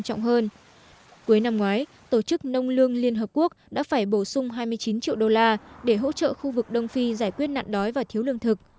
cuối năm ngoái tổ chức nông lương liên hợp quốc đã phải bổ sung hai mươi chín triệu đô la để hỗ trợ khu vực đông phi giải quyết nạn đói và thiếu lương thực